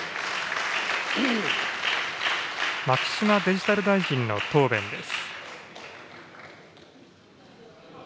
牧島デジタル大臣の答弁です。